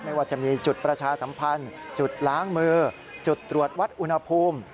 ไม่ว่าจะมีจุดประชาสัมพันธ์จุดล้างมือจุดตรวจวัดอุณหภูมิ